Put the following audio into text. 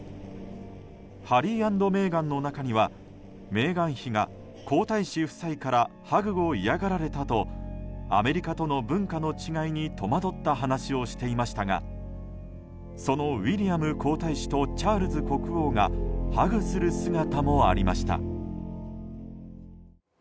「ハリー＆メーガン」の中にはメーガン妃が皇太子夫妻からハグを嫌がられたとアメリカとの文化の違いに戸惑った話をしていましたがそのウィリアム皇太子とチャールズ国王がハグする姿もありました。